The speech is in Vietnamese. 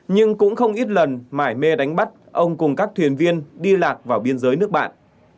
nhưng cũng không ít lần mải mê đánh bắt ông cùng các thuyền viên đi lạc vào biên giới nước bạn